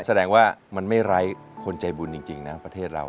แสดงว่ามันไม่ไร้คนใจบุญจริงนะประเทศเรา